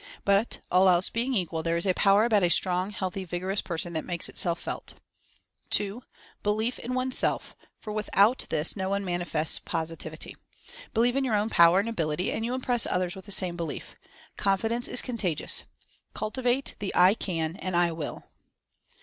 But, all else being equal, there is a power about a strong, healthy, vigorous per son that makes itself felt. (2) Belief in One's Self; for without this no one 66 Mental Fascination manifests Positivity. Believe in your own power and ability, and you impress others with the same belief. Confidence is contagious. Cultivate the "I Can and I Will."